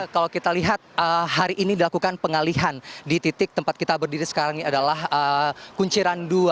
kalau kita lihat hari ini dilakukan pengalihan di titik tempat kita berdiri sekarang ini adalah kunciran dua